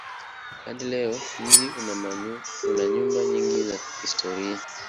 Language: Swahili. Hadi leo mji una nyumba nyingi za kihistoria.